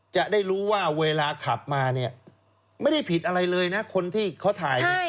จะได้รู้ว่าเวลาขับมาเนี่ยไม่ได้ผิดอะไรเลยนะคนที่เขาถ่ายเนี่ย